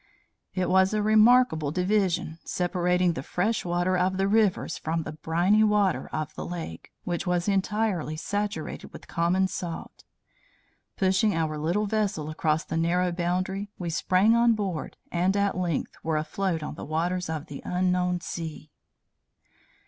It was a remarkable division, separating the fresh water of the rivers from the briny water of the lake, which was entirely saturated with common salt. Pushing our little vessel across the narrow boundary, we sprang on board, and at length were afloat on the waters of the unknown sea.